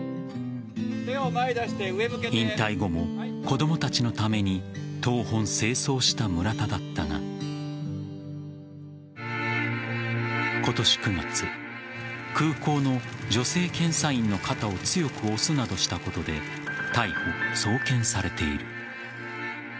引退後も子供たちのために東奔西走した村田だったが今年９月空港の女性検査員の肩を強く押すなどしたことで逮捕・送検されている。